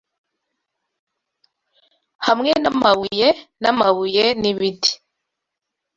Hamwe n'amabuye, n'amabuye, n'ibiti